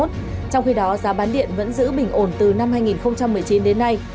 trong khi đó giá bán điện vẫn giữ bình ổn từ năm hai nghìn một mươi chín đến nay